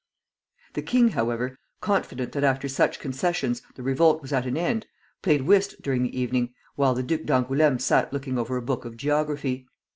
The king, however, confident that after such concessions the revolt was at an end, played whist during the evening, while the Duc d'Angoulême sat looking over a book of geography.